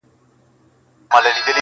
ه بيا دي ږغ کي يو عالم غمونه اورم.